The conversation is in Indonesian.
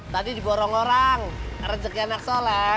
tadi diborong orang rezeknya nak soleh